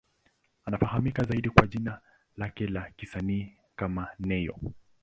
Anafahamika zaidi kwa jina lake la kisanii kama Ne-Yo.